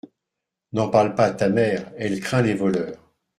N’en parle pas à ta mère : elle craint les voleurs.